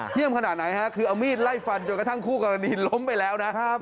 ขนาดไหนฮะคือเอามีดไล่ฟันจนกระทั่งคู่กรณีล้มไปแล้วนะครับ